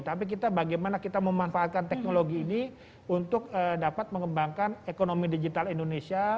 tapi kita bagaimana kita memanfaatkan teknologi ini untuk dapat mengembangkan ekonomi digital indonesia